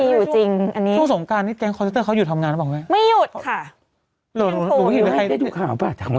ไม่มีอยู่จริงอันนี้พรุ่งสงการนี้แก๊งคอร์เซ็นเตอร์เขาหยุดทำงานหรือเปล่าไง